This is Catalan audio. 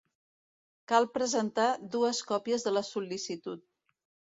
Cal presentar dues còpies de la sol·licitud.